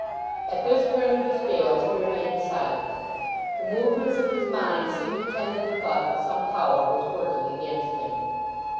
At this turn of the scales he remained silent. The movements of his mind seemed to tend to the thought that some power was working against him.